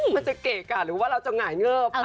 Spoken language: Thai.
มันจะเกะกะหรือว่าเราจะหงายเงิบ